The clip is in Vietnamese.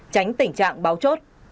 tránh tình trạng báo chốt